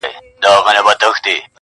• تکه سپینه لکه بته جګه غاړه -